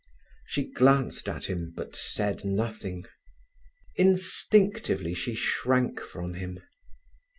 She glanced at him, but said nothing. Instinctively she shrank from him.